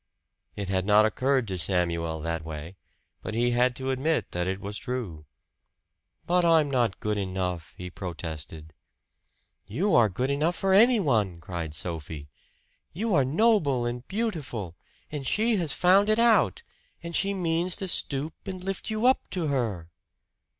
It had not occurred to Samuel that way; but he had to admit that it was true. "But I'm not good enough," he protested. "You are good enough for anyone!" cried Sophie. "You are noble and beautiful and she has found it out. And she means to stoop and lift you up to her."